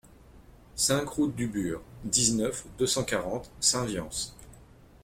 cinq route du Burg, dix-neuf, deux cent quarante, Saint-Viance